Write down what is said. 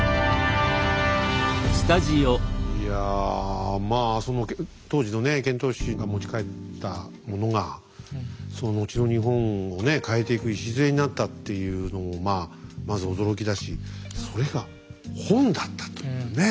いやまあ当時の遣唐使が持ち帰ったものが後の日本を変えていく礎になったっていうのまず驚きだしそれが本だったというね。